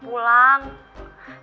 terus bilang pernikahannya dibatalin